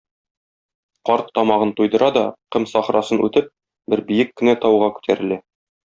Карт тамагын туйдыра да, ком сахрасын үтеп, бер биек кенә тауга күтәрелә.